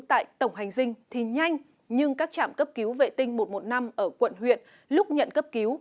tại tổng hành dinh thì nhanh nhưng các trạm cấp cứu vệ tinh một trăm một mươi năm ở quận huyện lúc nhận cấp cứu